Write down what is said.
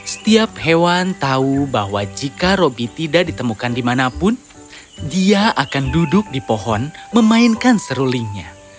setiap hewan tahu bahwa jika robby tidak ditemukan dimanapun dia akan duduk di pohon memainkan serulingnya